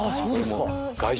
外食